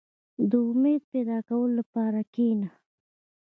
• د امید د پیدا کولو لپاره کښېنه.